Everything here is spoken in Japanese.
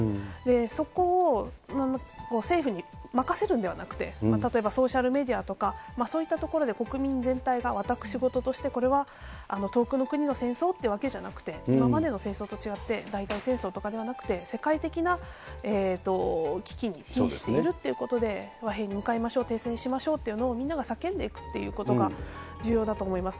そこを政府に任せるんではなくて、例えばソーシャルメディアとか、そういったところで、国民全体が私事として遠くの国の戦争っていうわけじゃなくて、今までの戦争と違って、代替戦争とかではなくて、世界的な危機にひんしているということで、和平に向かいましょう、停戦しましょうというのをみんなが叫んでいくということが重要だと思います。